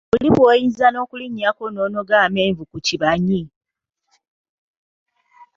Buli bwoyinza nokulinyako nonoga amenvu ku kibanyi!